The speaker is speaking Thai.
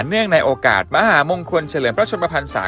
เนื่องในโอกาสมหาหมงคลเฉลินแปลวชสมภรรษา